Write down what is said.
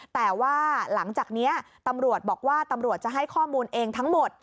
แต่ว่าหลังจากนี้ตำรวจบอกว่าตำรวจจะให้ข้อมูลเองทั้งหมด